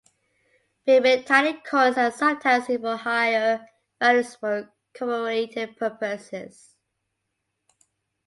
Bimetallic coins are sometimes used for higher values and for commemorative purposes.